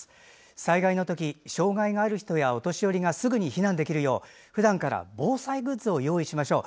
災害のとき、障害がある人やお年寄りがすぐに避難できるようふだんから防災グッズを用意しましょう。